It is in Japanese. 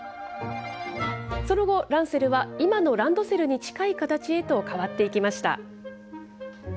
その後、ランセルは今のランドセルに近い形へと変わっていきました。